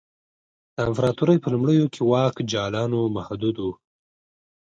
د امپراتورۍ په لومړیو کې واک جالانو محدود و